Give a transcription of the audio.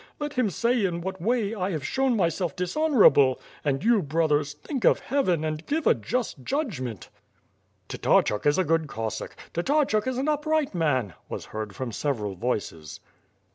Let him say in what way I have shown myself dishonorable? And you, brothers, think of heaven, and give a just judgment T' ^'Tataichuk is a good Cossack! Tatarchuk is an upright man!^^ was heard from several voices.